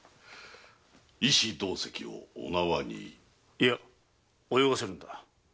いや泳がせるんだ。